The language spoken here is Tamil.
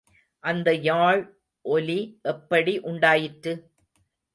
அந்த யாழ் ஒலி எப்படி உண்டாயிற்று?